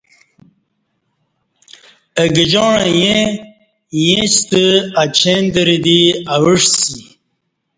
اگِجاعں ییں ایݩستہ اچیندرہ دی اوعسی